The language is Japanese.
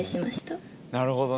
なるほどね。